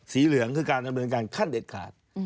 เหลืองคือการดำเนินการขั้นเด็ดขาด